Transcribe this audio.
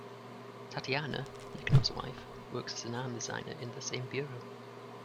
Tatiana, Nikonov's wife, works as an arms designer in the same bureau.